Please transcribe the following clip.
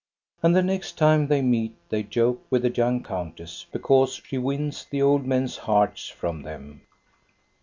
And the next time they meet, they joke with the young countess, because she wins the old men's hearts from them.